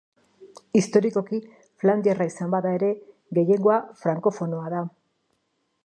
Historikoki flandiarra izan bada ere, gehiengoa frankofonoa da.